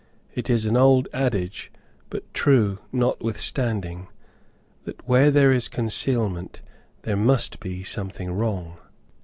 It is an old adage, but true notwithstanding, that "where there is concealment, there must be something wrong."